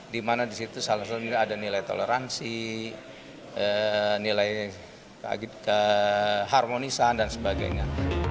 di mana di situ salah satunya ada nilai toleransi nilai keharmonisan dan sebagainya